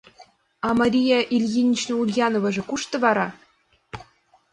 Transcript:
— А Мария Ильинична Ульяноваже кушто вара?